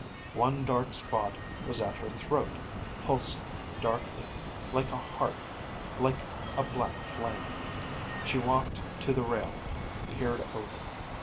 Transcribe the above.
One dark spot was at her throat, pulsing darkly, like a heart, like a black flame. She walked to the railing, peered over.